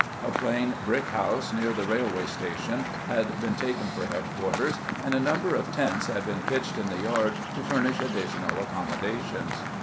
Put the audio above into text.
A plain brick house near the railway station had been taken for headquarters, and a number of tents had been pitched in, the yard to furnish additional accommodations.